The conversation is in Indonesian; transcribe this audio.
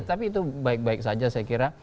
tapi itu baik baik saja saya kira